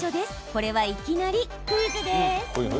これは、いきなりクイズです。